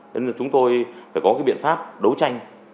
nên là chúng tôi phải có cái biện pháp đấu tranh